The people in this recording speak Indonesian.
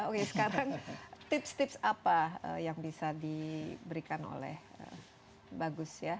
oke sekarang tips tips apa yang bisa diberikan oleh bagus ya